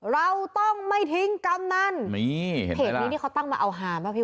เราต้องไม่ทิ้งกำนันนี่เห็นไหมล่ะเพจนี้นี่เขาตั้งมาเอาหามะพี่